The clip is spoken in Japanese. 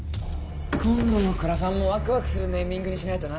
今度のクラファンもワクワクするネーミングにしないとな。